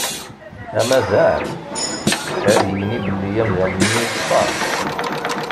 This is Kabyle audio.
Amazan ad yini belli amdan-nni yeṣfa.